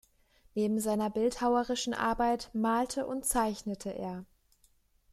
Neben seiner bildhauerischen Arbeit malte und zeichnete er.